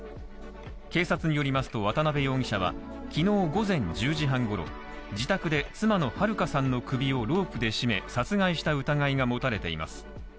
警察によりますと渡辺容疑者はきのう午前１０時半ごろ、自宅で妻の首をロープで絞め、殺害した疑いが持たれています。